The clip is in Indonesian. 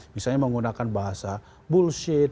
misalnya menggunakan bahasa bullshit